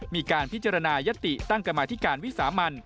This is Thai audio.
มีการพิจารณายติตั้งกรรมาธิการวิสามัน